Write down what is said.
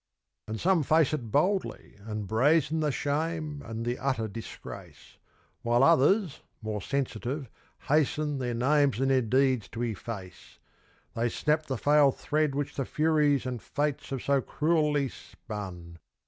And some face it boldly, and brazen The shame and the utter disgrace; While others, more sensitive, hasten Their names and their deeds to efface. They snap the frail thread which the Furies And Fates have so cruelly spun.